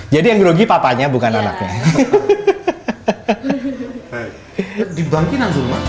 jadi yang berugi papanya bukan anaknya